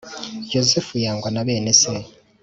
yozefu yangwa na bene se